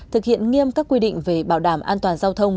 thực hiện nghiêm các quy định về bảo đảm an toàn giao thông